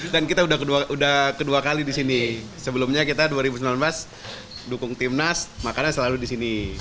dan kita udah kedua kali disini sebelumnya kita dua ribu sembilan belas dukung timnas makannya selalu disini